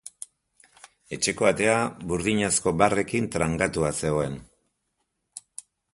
Etxeko atea burdinazko barrekin trangatua zegoen.